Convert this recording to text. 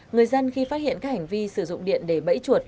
người dân khi phát hiện các hành vi sử dụng điện để bẫy chuột